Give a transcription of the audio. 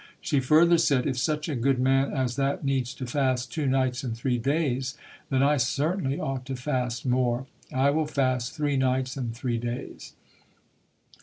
She further said, "If such a good man as that needs to fast two nights and three days, then I certainly ought to fast more. I will fast three nights and three days".